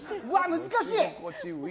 難しい！